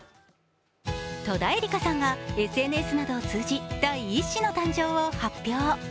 戸田恵梨香さんがＳＮＳなどを通じ第１子の誕生を発表。